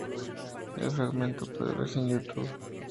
El fragmento puede verse en Youtube.